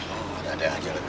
oh nggak ada aja lagi